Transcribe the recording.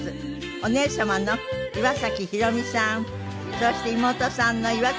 お姉様の岩崎宏美さんそして妹さんの岩崎良美さん。